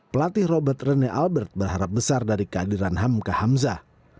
pelatih robert rene albert berharap besar dari kehadiran hamka hamzah